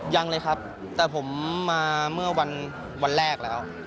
ยังเลยครับแต่ผมมาเมื่อวันแรกแล้ว